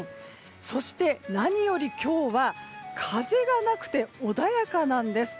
そして、何より今日は風がなくて穏やかなんです。